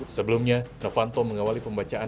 sebelumnya novanto mengawali pembacaan